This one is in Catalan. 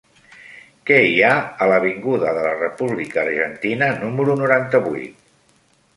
Què hi ha a l'avinguda de la República Argentina número noranta-vuit?